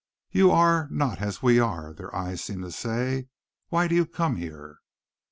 "You are not as we are," their eyes seemed to say; "why do you come here?"